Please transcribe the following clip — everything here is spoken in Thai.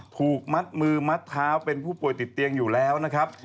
ถูกมัดมือมัดเท้าเป็นผู้ป่วยติดเตียงอยู่แล้วนะครับ